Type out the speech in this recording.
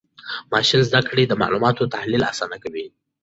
ماشین زده کړه د معلوماتو تحلیل آسانه کوي.